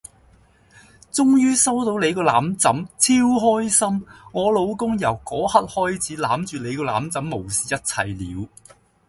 終於收到你個攬枕！超開心！我老公由個刻開始攬住你個攬枕無視一切了